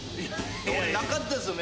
なかったです